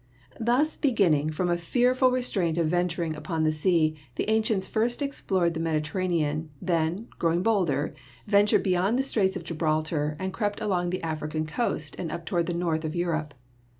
Thus beginning from a fearful restraint of venturing upon the sea, the ancients first explored the Mediterranean, then, growing bolder, ventured beyond the Straits of Gibraltar and crept along the African coast and up toward the north of Europe.